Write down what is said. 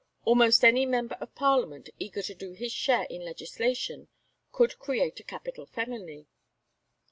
Almost any member of parliament eager to do his share in legislation could "create a capital felony."